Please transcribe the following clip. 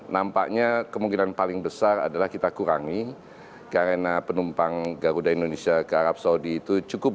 nampaknya kemungkinan paling besar adalah kita kurangi karena penumpang garuda indonesia ke arab saudi itu cukup